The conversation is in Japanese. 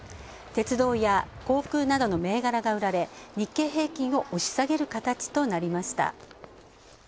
鉄道や航空などの銘柄が売られ日経平均を押し下げる形となりました。